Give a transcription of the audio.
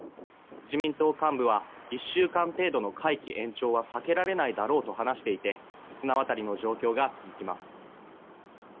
自民党幹部は１週間程度の会期延長は避けられないだろうと話していて綱渡りの状況が続きます。